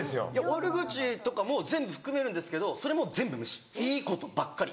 悪口とかも全部含めるんですけどそれもう全部無視いいことばっかり。